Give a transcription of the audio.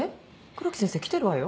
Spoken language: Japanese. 黒木先生来てるわよ